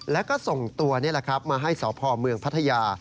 แล้วก็ส่งตัวนี่แหละครับมาให้สพเมืองพัทยา